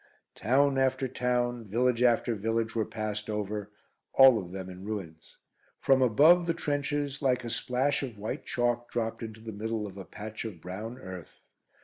Town after town, village after village, were passed over, all of them in ruins. From above the trenches, like a splash of white chalk dropped into the middle of a patch of brown earth.